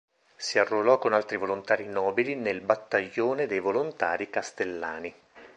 Si arruolò con altri volontari nobili nel “battaglione dei volontari Castellani”.